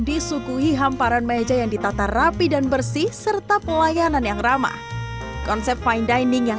disuguhi hamparan meja yang ditata rapi dan bersih serta pelayanan yang ramah konsep fine dining yang